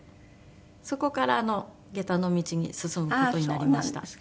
そこから下駄の道に進む事になりました。